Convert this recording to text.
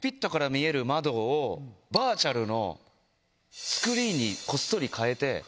バーチャルのスクリーンにこっそり替えて。